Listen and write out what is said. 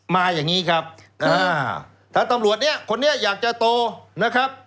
มาอย่างนี้ครับถ้าตำรวจเนี้ยคนนี้อยากจะโตนะครับ